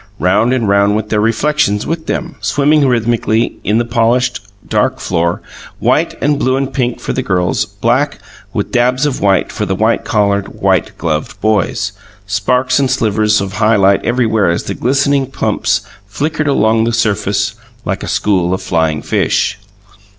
Round and round went their reflections with them, swimming rhythmically in the polished, dark floor white and blue and pink for the girls; black, with dabs of white, for the white collared, white gloved boys; and sparks and slivers of high light everywhere as the glistening pumps flickered along the surface like a school of flying fish.